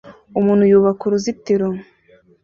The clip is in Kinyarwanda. Umuntu yubaka uruzitiro